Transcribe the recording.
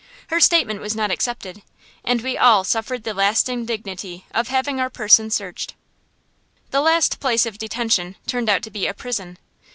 Her statement was not accepted, and we all suffered the last indignity of having our persons searched. This last place of detention turned out to be a prison.